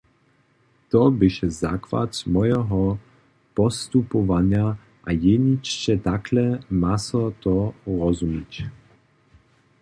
Tole běše zakład mojeho postupowanja a jeničce takle ma so to rozumić.